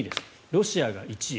ロシアが１位。